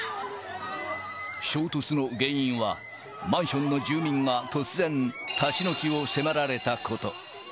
衝突の原因は、マンションの住民が突然、立ち退きを迫られたこと。